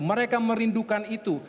mereka merindukan itu